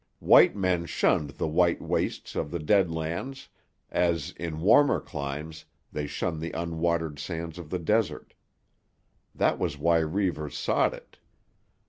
White men shunned the white wastes of the Dead Lands as, in warmer climes, they shun the unwatered sands of the desert. That was why Reivers sought it.